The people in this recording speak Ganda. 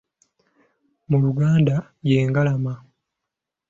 Mu Luganda ye ngalama.